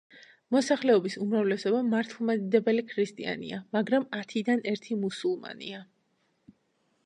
მოსახლეობის უმრავლესობა მართლმადიდებელი ქრისტიანია, მაგრამ ათიდან ერთი მუსულმანია.